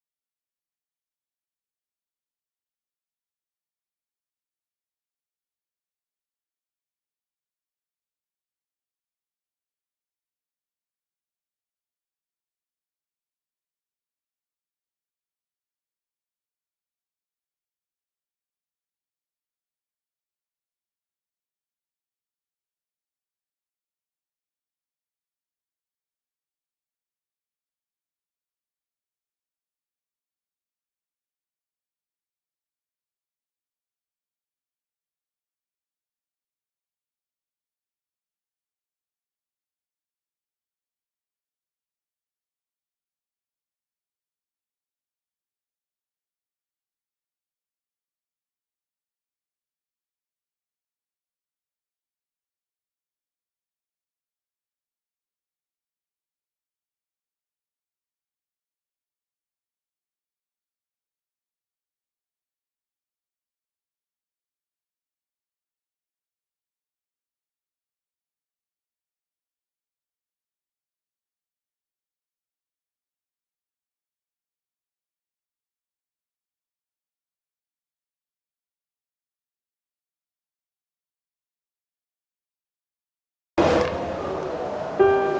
terima kasih mas